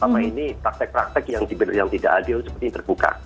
selama ini praktek praktek yang tidak adil seperti terbuka